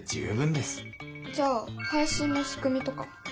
じゃあ配信のしくみとか？